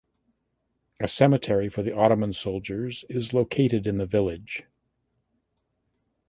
A cemetery for the Ottoman soldiers is located in the village.